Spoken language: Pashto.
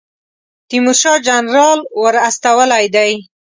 تیمورشاه جنرال ور استولی دی.